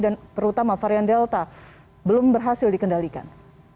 dan terutama varian delta belum berhasil dikendalikan